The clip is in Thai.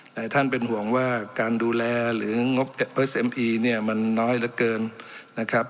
หลายท่านเป็นห่วงว่าการดูแลหรืองบเอสเอ็มอีเนี่ยมันน้อยเหลือเกินนะครับ